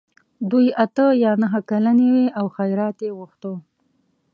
دوی اته یا نهه کلنې وې او خیرات یې غوښت.